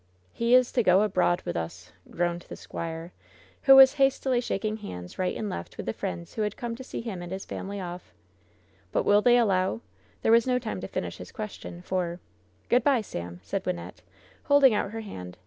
"He is to go abroad with us," groaned the squire, who 172 LOVE'S BITTEREST CUP was hastily shaking hands right and left with the friends who had come to see him and his family off. "But will they allow '' There was no time to finish his question, for — "Good by, Sam/' said Wynnette, holding out her hand.